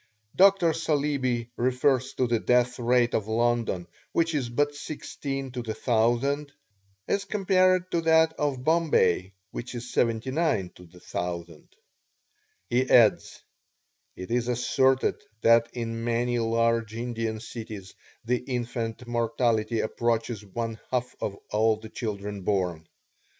Dr. Saleeby refers to the death rate of London, which is but 16 to the 1000, as compared to that of Bombay, which is 79 to the 1000. He adds: "It is asserted that in many large Indian cities the infant mortality approaches one half of all the children born.